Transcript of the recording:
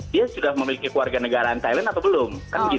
dia sudah memiliki warganegaraan thailand atau belum